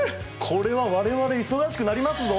これは我々忙しくなりますぞ！